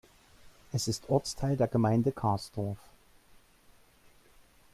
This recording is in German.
Es ist Ortsteil der Gemeinde Karsdorf.